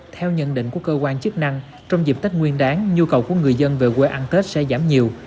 theo nhận định của cơ quan chức năng trong dịp tết nguyên đáng nhu cầu của người dân về quê ăn tết sẽ giảm nhiều